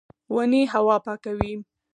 ونې هوا پاکوي